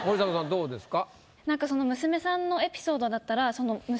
どうですか？